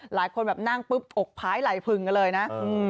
หลายคนแบบนั่งปุ๊บอกพ้ายไหลพึงกันเลยนะ